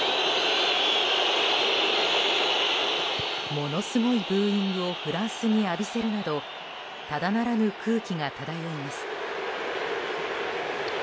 ものすごいブーイングをフランスに浴びせるなどただならぬ空気が漂います。